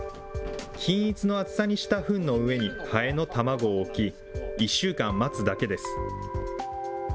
均一の厚さにしたふんの上にハエの卵を置き、１週間待つだけです。